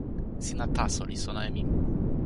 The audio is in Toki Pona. sina taso li sona e mi.